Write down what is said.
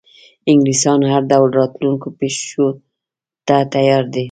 انګلیسیان هر ډول راتلونکو پیښو ته تیار دي.